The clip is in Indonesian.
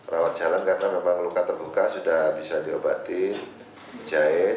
rawat jalan karena memang luka terbuka sudah bisa diobati jahit